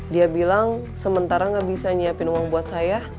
dia bilang sementara nggak bisa nyiapin uang buat saya